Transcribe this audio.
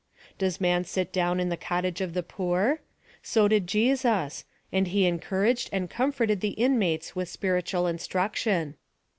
Does man sit down in the cottage ot the poor ? So did Jesus : and he encouraged and comforted the inmates with spiritual instruction.